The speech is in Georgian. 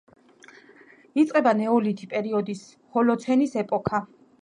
იწყება ნეოლითი პერიოდის ჰოლოცენის ეპოქა.